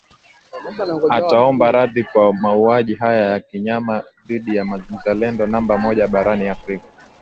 ataomba radhi kwa mauaji haya ya kinyama dhidi ya Mzalendo namba moja barani Afrika